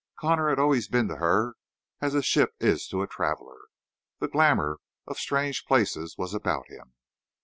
Connor had always been to her as the ship is to a traveler; the glamour of strange places was about him.